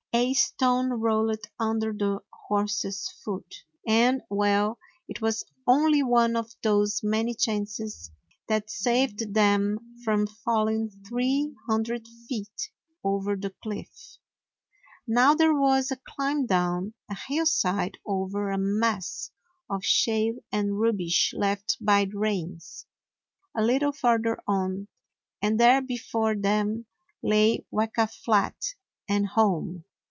A stone rolled under the horse's foot, 117 DOG HEROES OF MANY LANDS and — well, it was only one of those many chances that saved them from falling three hun dred feet over the cliff. Now there was a climb down a hillside over a mass of shale and rubbish left by the rains. A little farther on, and there before them lay Weka Flat, and home!